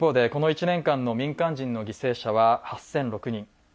一方でこの１年間の民間人の犠牲者は８００６人。